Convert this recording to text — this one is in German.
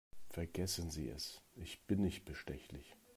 Vergessen Sie es, ich bin nicht bestechlich.